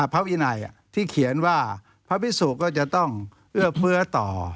พระวินัยที่เขียนว่าพระพิสุก็จะต้องเอื้อเฟื้อต่อ